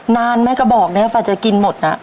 นานไหมกระบอกนี้ฝันจะกินหมดน่ะ